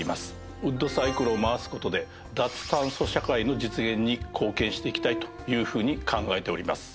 ウッドサイクルを回す事で脱炭素社会の実現に貢献していきたいというふうに考えております。